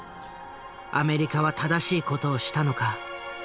アメリカは正しい事をしたのか？